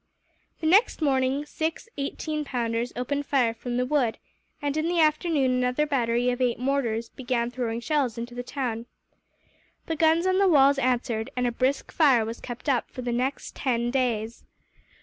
The next morning, six eighteen pounders opened fire from the wood and, in the afternoon, another battery of eight mortars began throwing shells into the town. The guns on the walls answered, and a brisk fire was kept up, for the next ten days.